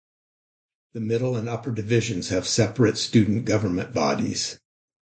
The Middle and Upper Divisions have separate student government bodies.